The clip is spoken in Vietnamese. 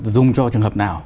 dùng cho trường hợp nào